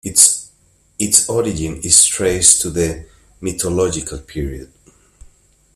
Its origin is traced to the Mythological period.